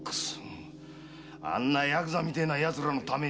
あんなヤクザみたいな奴らのために！